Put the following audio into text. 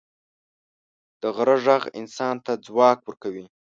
د غره ږغ انسان ته ځواک ورکوي.